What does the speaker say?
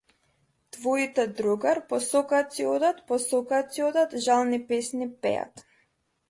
Твоите другар, по сокаци одат, по сокаци одат, жални песни пеат.